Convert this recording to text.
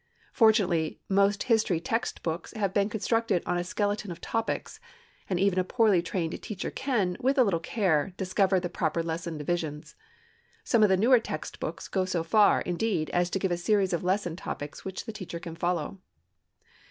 Fortunately most history text books have been constructed on a skeleton of topics, and even a poorly trained teacher can, with a little care, discover the proper lesson divisions. Some of the newer text books go so far, indeed, as to give a series of lesson topics which the teacher can follow.